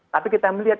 tapi kita melihat